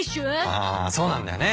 ああそうなんだよね。